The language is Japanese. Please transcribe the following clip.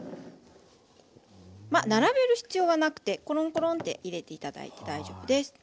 まあ並べる必要はなくてコロンコロンって入れて頂いて大丈夫です。